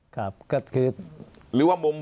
ครับก็คือ